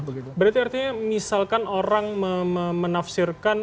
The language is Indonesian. berarti artinya misalkan orang menafsirkan